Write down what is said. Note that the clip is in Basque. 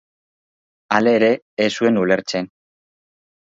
Hala ere, ez zuen ulertzen.